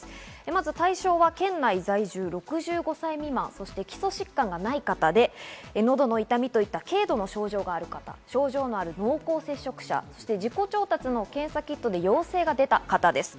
まず対象は県内在住、６５歳未満、そして基礎疾患がない方で、喉の痛みといった軽度の症状がある方、症状のある濃厚接触者、そして自己調達の検査キットで陽性が出た方です。